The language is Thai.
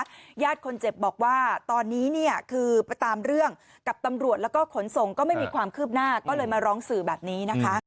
ญาติคนเจ็บบอกว่าตอนนี้เนี่ยคือไปตามเรื่องกับตำรวจแล้วก็ขนส่งก็ไม่มีความคืบหน้าก็เลยมาร้องสื่อแบบนี้นะคะ